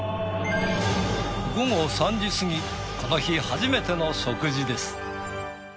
午後３時過ぎこの日初めての食事です。